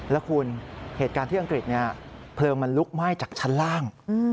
แล้วคุณเหตุการณ์ที่อังกฤษเพลิงมันลุกไหม้จากชั้นล่าง